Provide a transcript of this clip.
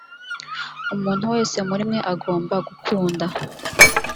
umuntu wese muri mwe agomba gukunda